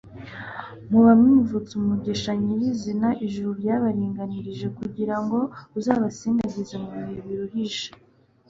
muba mwivutsa umugisha nyirizina ijuru ryabaringanirije kugira ngo uzabasindagize mu bihe biruhije